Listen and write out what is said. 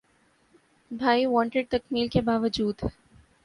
’بھائی وانٹڈ‘ تکمیل کے باوجود